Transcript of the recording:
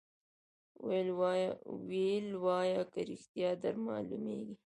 ویل وایه که ریشتیا در معلومیږي